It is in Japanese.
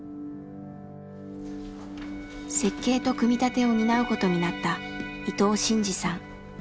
設計と組み立てを担うことになった伊藤慎二さん。